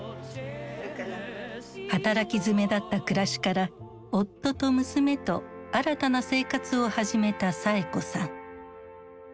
働きづめだった暮らしから夫と娘と新たな生活を始めたサエ子さん。